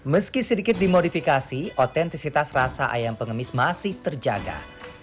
meski sedikit dimodifikasi otentisitas rasa ayam pengemis masih terjaga